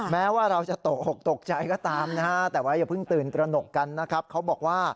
แม้ว่าเราจะโตกใจก็ตามนะแต่ไว้อย่าเพิ่งตื่นกระหนกกันนะครับ